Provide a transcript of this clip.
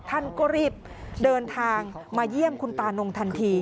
ท่านก็รีบเดินทางมาเยี่ยมคุณตานงทันที